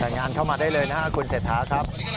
รายงานเข้ามาได้เลยนะคุณเสธาครับ